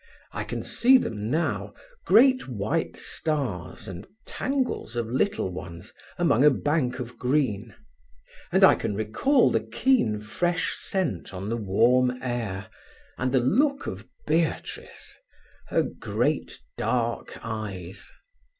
I can see them now, great white stars, and tangles of little ones, among a bank of green; and I can recall the keen, fresh scent on the warm air; and the look of Beatrice … her great dark eyes.